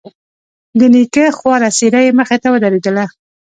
د نيکه خواره څېره يې مخې ته ودرېدله.